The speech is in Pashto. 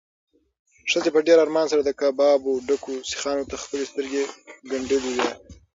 ښځې په ډېر ارمان سره د کبابو ډکو سیخانو ته خپلې سترګې ګنډلې وې.